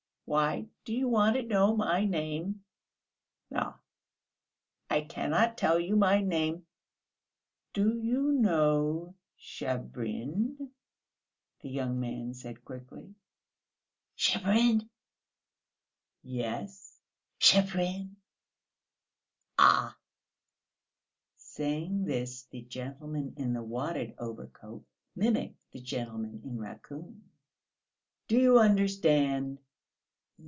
"Why do you want to know my name?..." "Ah!" "I cannot tell you my name...." "Do you know Shabrin?" the young man said quickly. "Shabrin!!!" "Yes, Shabrin! Ah!!!" (Saying this, the gentleman in the wadded overcoat mimicked the gentleman in raccoon.) "Do you understand?"